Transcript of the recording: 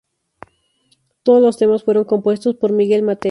Todos los temas fueron compuestos por Miguel Mateos.